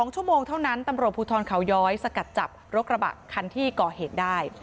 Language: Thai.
๒ชั่วโมงเท่านั้นตำรวจภูทรเขาย้อยสกัดจับรถกระบะคันที่ก่อเหตุได้